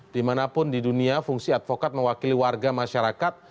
dimanapun di dunia fungsi advokat mewakili warga masyarakat